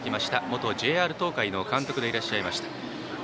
元ＪＲ東海の監督でいらっしゃいました。